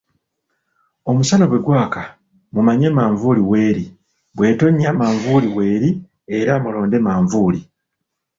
Omusana bwegwaka, mumanye manvuuli w'eri, bw'etonnya manvuuli w'eri era mulonde manvuuli.